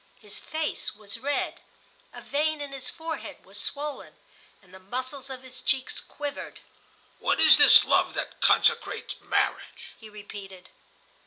His face was red, a vein in his forehead was swollen, and the muscles of his cheeks quivered. "What is this love that consecrates marriage?" he repeated.